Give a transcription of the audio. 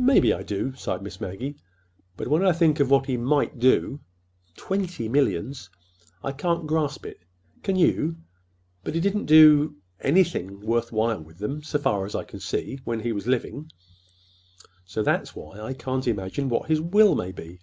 "Maybe I do," sighed Miss Maggie. "But when I think of what he might do—Twenty millions! I can't grasp it. Can you? But he didn't do—anything—worth while with them, so far as I can see, when he was living, so that's why I can't imagine what his will may be.